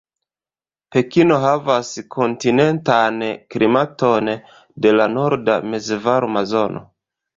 Pekino havas kontinentan klimaton de la norda mezvarma zono.